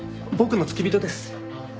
僕の付き人です。